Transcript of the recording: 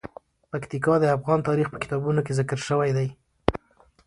پکتیکا د افغان تاریخ په کتابونو کې ذکر شوی دي.